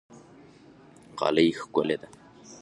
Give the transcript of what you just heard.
غالۍ ښکلې ده.